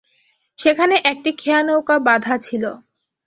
সেখানে একটি খেয়ানৌকা বাঁধা ছিল।